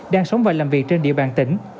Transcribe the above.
đang sống và làm việc trên địa bàn tỉnh